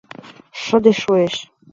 Шыде шуэш!..